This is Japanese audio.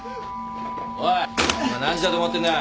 おい何時だと思ってんだ。